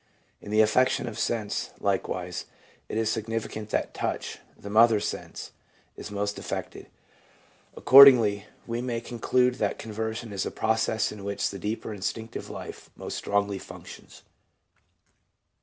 In the affections of sense, EXPERIENCES PRECEDING CONVERSION 65 likewise, it is significant that touch, the mother sense, is most affected. Accordingly, we may conclude that conversion is a process in which the deeper instinctive life most strongly functions.